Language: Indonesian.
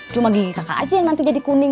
cuma gigi kakak aja yang nanti jadi kuning